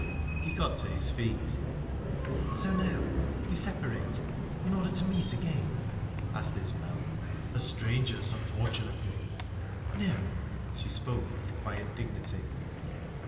He got to his feet. "So now we separate, in order to meet again?" asked Isbel. "As strangers, unfortunately." "No." She spoke with quiet dignity.